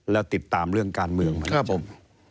และติดตามเรื่องการเมืองมากจัง